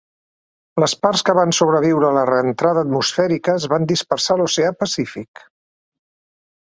Les parts que van sobreviure la reentrada atmosfèrica es van dispersar a l'oceà Pacífic.